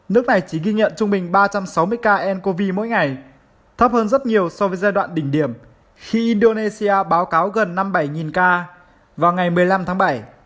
nước này chỉ ghi nhận trung bình ba trăm sáu mươi ca ncov mỗi ngày thấp hơn rất nhiều so với giai đoạn đỉnh điểm khi indonesia báo cáo gần năm mươi bảy ca vào ngày một mươi năm tháng bảy